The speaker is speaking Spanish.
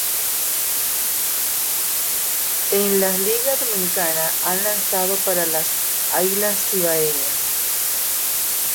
En la Liga Dominicana ha lanzado para las Águilas Cibaeñas.